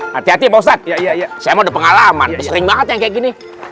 hai hati hati bau saat ya iya saya mau pengalaman sering banget kayak gini